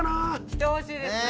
「来てほしいですね」